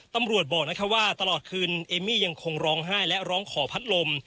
ตำรวจบอกว่าตลอดคืนเอมมี่ยังคงร้องไห้และร้องขอพัดลม